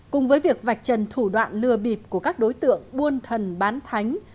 cùng với việc vạch trần thủ đoạn lừa bịp của các đối tượng buôn thần bán thánh